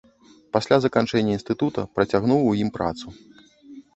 Пасля заканчэння інстытута, працягнуў у ім працу.